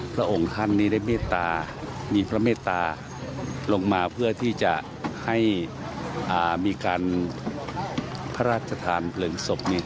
พระองค์ท่านนี้ได้เมตตามีพระเมตตาลงมาเพื่อที่จะให้มีการพระราชทานเพลิงศพ